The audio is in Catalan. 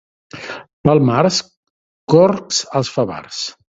Pel març corcs als favars.